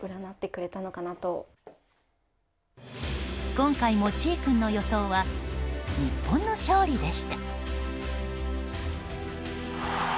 今回も、ちぃ君の予想は日本の勝利でした。